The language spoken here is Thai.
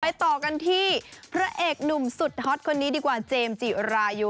ต่อกันที่พระเอกหนุ่มสุดฮอตคนนี้ดีกว่าเจมส์จิรายุ